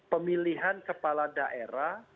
pemilihan kepala daerah